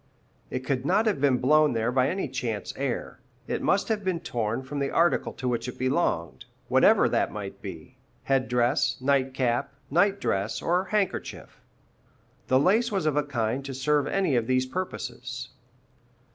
It could not have been blown there by any chance air; it must have been torn from the article to which it belonged, whatever that might be, head dress, nightcap, night dress, or handkerchief. The lace was of a kind to serve any of these purposes.